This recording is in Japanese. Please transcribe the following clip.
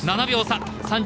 ７秒差。